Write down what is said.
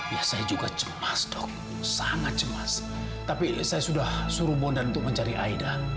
ya saya juga cemas dok sangat cemas tapi saya sudah suruh mondar untuk mencari aida